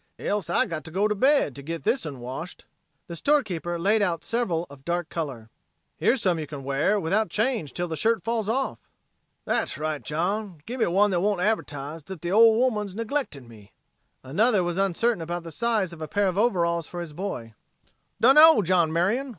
Else, I got to go to bed to git this un washed." The storekeeper laid out several of dark color: "Here's some you can wear without change till the shirt falls off." "That's right, John; gimme one thet won't advertise thet the ole woman's neglectin' me." Another was uncertain about the size of a pair of overalls for his boy: "Dunknow, John Marion!